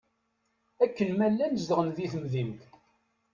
Akken ma llan zedɣen di temdint.